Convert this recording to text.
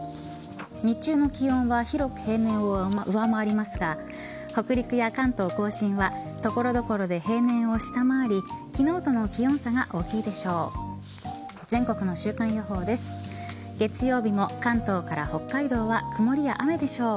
日中の気温は広く平年を上回りますが北陸や関東甲信は所々で平年を下回り昨日との気温差が大きいでしょう。